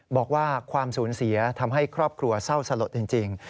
บอกว่าความสูญเสียทำให้ครอบครัวเศร้าสลดจริง